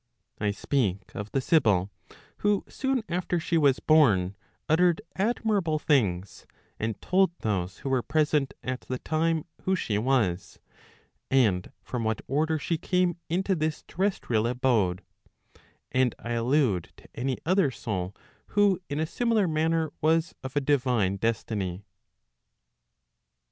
I speak of the Sibyl who soon after she was born uttered admirable things, and told those who were present at the time who she was, and from what order she came into this terrestrial abode, and I allude to any other soul who in a similar manner was of a divine destiny/ 14.